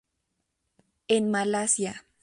En Malasia.